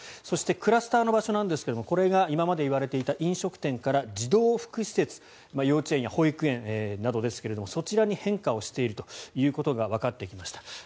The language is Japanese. そしてクラスターの場所なんですがこれは今までいわれていた飲食店から児童福祉施設幼稚園や保育園などですがそちらに変化をしていることがわかってきました。